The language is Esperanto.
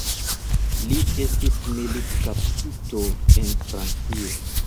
Li estis militkaptito en Francio.